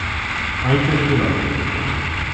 Hai que melloralo.